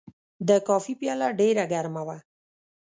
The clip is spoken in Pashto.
د کافي پیاله ډېر ګرمه وه.